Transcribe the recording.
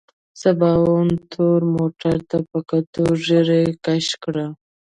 سباوون تور موټر ته په کتو ږيرې کش کړ.